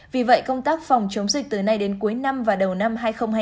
vì vậy công tác phòng chống dịch từ nay đến cuối năm và đầu năm hai nghìn hai mươi